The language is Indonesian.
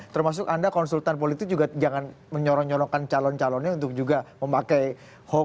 termasuk anda konsultan politik juga jangan menyorong nyorongkan calon calonnya untuk juga memakai hoax